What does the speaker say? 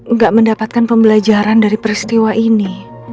nggak mendapatkan pembelajaran dari peristiwa ini